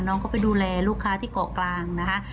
น้องเขาไปดูแลลูกค้าที่เกาะกลางนะคะ